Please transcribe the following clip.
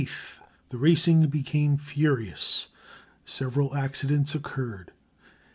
_] On the 28th the racing became furious. Several accidents occurred.